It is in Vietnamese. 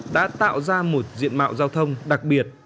đã tạo ra một diện mạo giao thông đặc biệt